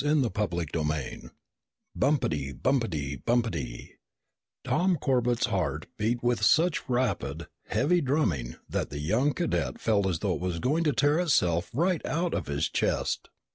CHAPTER 16 "_Bump ty bump ty bump ty _" Tom Corbett's heart beat with such rapid, heavy drumming that the young cadet felt as though it was going to tear itself right out of his chest.